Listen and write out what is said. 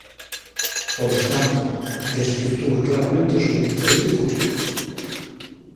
Polo tanto, desvirtúa claramente o seu interese público.